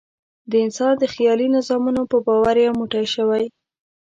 انسان د خیالي نظامونو په باور یو موټی شوی.